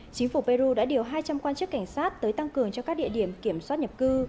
chính phủ peru đã điều hai trăm linh quan chức cảnh sát tới tăng cường cho các địa điểm kiểm soát nhập cư